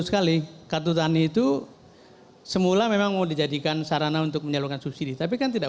sekali kartu tani itu semula memang mau dijadikan sarana untuk menyalurkan subsidi tapi kan tidak